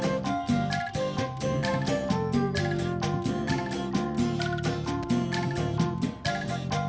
jerayang jerayang jerayang